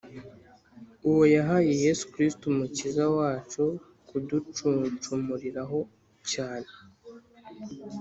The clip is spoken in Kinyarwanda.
uwo yahaye Yesu Kristo Umukiza wacu kuducunshumuriraho cyane,